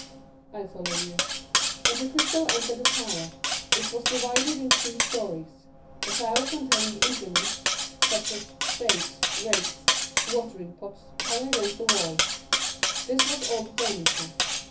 "I follow you." Monte Cristo entered the tower, which was divided into three stories. The tower contained implements, such as spades, rakes, watering pots, hung against the wall; this was all the furniture.